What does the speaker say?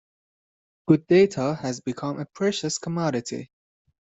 Good data has become a precious commodity.